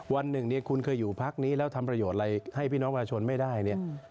วันหนึ่งเนี่ยคุณเคยอยู่พักนี้แล้วทำประโยชน์อะไรให้พี่น้องประชาชนไม่ได้เนี่ย